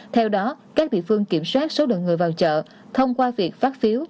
theo đó các địa phương kiểm soát số lượng người vào chợ thông qua việc phát phiếu